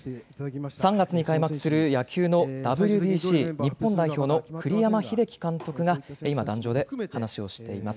３月に開幕する野球のＷＢＣ日本代表の栗山英樹監督が、今、壇上で話をしています。